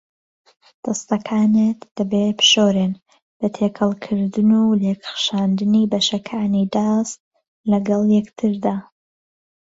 دەستەکان دەبێت بشورێن بە تێکەڵکردن و لێکخشاندنی بەشەکانی دەست لەگەڵ یەکتردا.